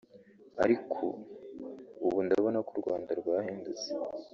ariko ubu ndabona ko u Rwanda rwahindutse